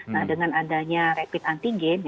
nah dengan adanya rapid antigen